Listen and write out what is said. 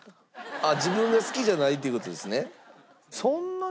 あっ自分が好きじゃないっていう事ですね。